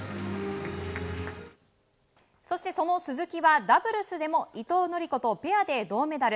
そして、その鈴木はダブルスでも伊藤則子とペアで銅メダル。